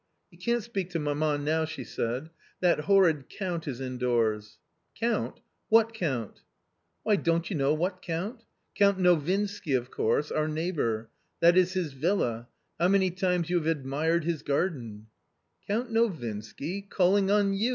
.<£You can't speak to mamma now," she said; "that horrid \y^ /Count is indoors." ^ ^CountJ whajr> in t? "" Why, don't you know what Count ! C ount Novinsky of course — our neig h bour,; thatJs hjs vi lla;" 110 W fflimy tunes you have admired Tiis garden !"" Count Novinsky ! calling on you